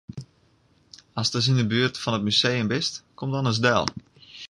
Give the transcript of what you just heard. Ast ris yn 'e buert fan it museum bist, kom dan ris del.